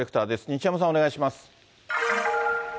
西山さん、お願いします。